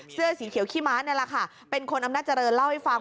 เสื้อสีเขียวขี้ม้านี่แหละค่ะเป็นคนอำนาจริงเล่าให้ฟัง